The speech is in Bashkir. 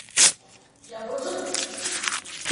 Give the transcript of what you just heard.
Ябығыҙ!